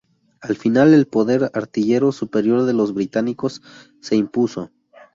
Al final el poder artillero superior de los británicos se impuso.